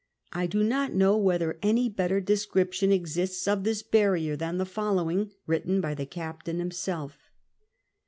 I do not know whether any better description exists of this barrier than the fob lowing, written by the captain himself.